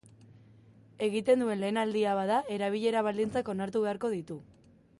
Egiten duen lehen aldia bada, erabilera baldintzak onartu beharko ditu.